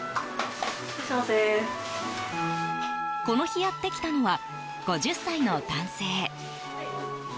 この日やってきたのは５０歳の男性。